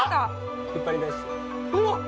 うわっ！